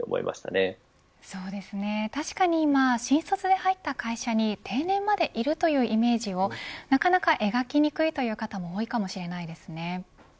確かに今、新卒で入った会社に定年までいるというイメージをなかなか描きにくいという方もそうですね。